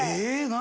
何？